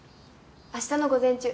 明日の午前中。